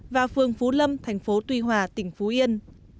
và phường phú lâm thành phố tuy hòa tỉnh phú yên